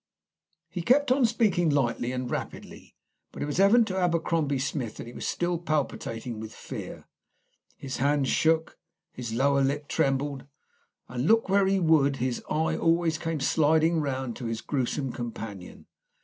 He kept on speaking lightly and rapidly, but it was evident to Abercrombie Smith that he was still palpitating with fear. His hands shook, his lower lip trembled, and look where he would, his eye always came sliding round to his gruesome companion.